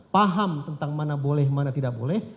paham tentang mana boleh mana tidak boleh